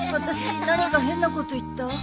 私何か変なこと言った？